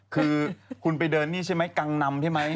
คือคุณไปเดินนี่ใช่ไหมกังนำใช่ไหม